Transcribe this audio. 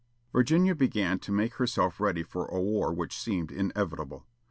Virginia began to make herself ready for a war which seemed inevitable.